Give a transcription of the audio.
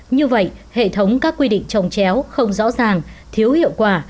như vậy hệ thống các quy định trồng chéo không rõ ràng thiếu hiệu quả